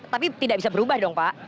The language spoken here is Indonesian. tapi tidak bisa berubah dong pak